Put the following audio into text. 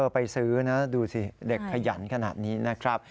ไปซื้อนะดูสิเด็กขยันขนาดนี้นะครับ